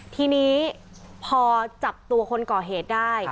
ทีนี้พอจับตัวคนก่อเหตุได้